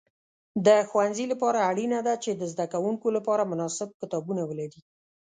د ښوونځي لپاره اړینه ده چې د زده کوونکو لپاره مناسب کتابونه ولري.